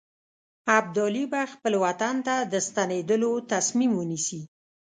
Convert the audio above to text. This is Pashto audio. ابدالي به خپل وطن ته د ستنېدلو تصمیم ونیسي.